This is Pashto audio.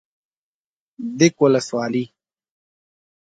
ديک ولسوالي